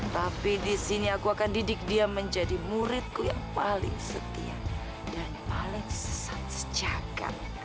tapi disini aku akan didik dia menjadi muridku yang paling setia dan paling sesat sejak